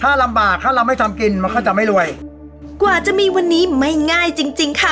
ถ้าลำบากถ้าเราไม่ทำกินมันก็จะไม่รวยกว่าจะมีวันนี้ไม่ง่ายจริงจริงค่ะ